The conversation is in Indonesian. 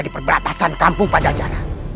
terima kasih guru